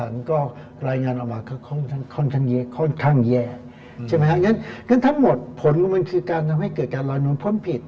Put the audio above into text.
อย่างนั้นทั้งหมดผลของมันคือการทำให้เกิดการรอนุนพร้อมผิด